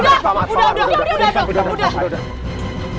udah udah udah